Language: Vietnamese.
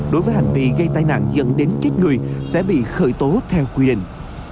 đối với hành vi gây tai nạn dẫn đến chết người sẽ bị khởi tố theo quy định